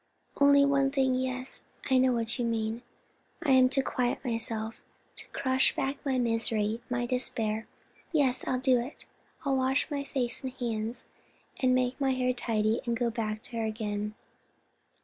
"Only one thing—yes, I know what you mean. I am to quiet myself, to crush back my misery, my despair. Yes, I'll do it. I'll wash my face and hands, and make my hair tidy and go back to her again.